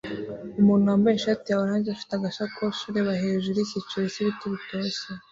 Umuntu wambaye ishati ya orange afite agasakoshi ureba hejuru yicyiciro cyibiti bitoshye